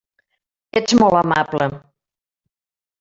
Ets molt amable.